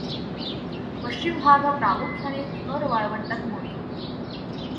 पश्चिम भाग हा प्रामुख्याने थर वाळवंटात मोडतो.